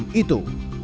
dan hidem itu